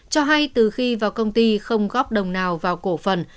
cho hay từ khi vào công ty không góp đồng nào vào cổ phần